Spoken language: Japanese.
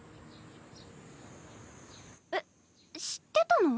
えっ知ってたの？